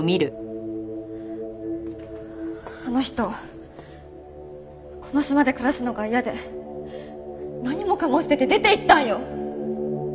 あの人この島で暮らすのが嫌で何もかも捨てて出ていったんよ？